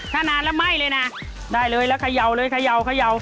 ถ้านานแล้วไหม้เลยนะได้เลยแล้วเขย่าเลยเขย่าเขย่า